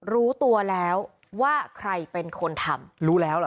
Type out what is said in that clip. รู้ตัวแล้วว่าใครเป็นคนทำ